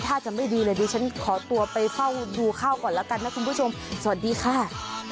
ถ้าจะไม่ดีหรือบีฉันขอตัวไปเฝ้าดูค่าวก่อนละกันสวัสดีค่ะ